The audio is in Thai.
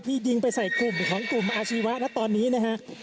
ยิงไปใส่กลุ่มของกลุ่มอาชีวะนะตอนนี้นะฮะ